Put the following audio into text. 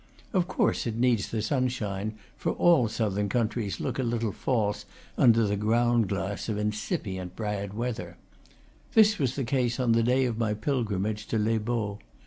Of course it needs the sunshine, for all southern countries look a little false under the ground glass of incipient bad weather. This was the case on the day of my pil grimage to Les Baux.